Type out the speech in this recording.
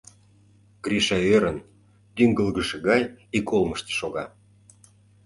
Гриша ӧрын, тӱҥгылгышӧ гай ик олмышто шога.